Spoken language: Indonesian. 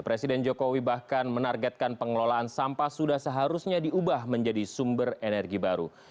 presiden jokowi bahkan menargetkan pengelolaan sampah sudah seharusnya diubah menjadi sumber energi baru